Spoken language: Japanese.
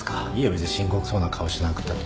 別に深刻そうな顔しなくたって。